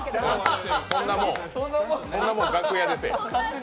そんなもん楽屋でせえ。